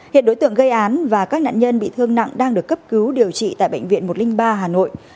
hiện đối tượng gây án và các nạn nhân bị thương nặng đang được cấp cứu điều trị tại bệnh viện một trăm linh ba hà nội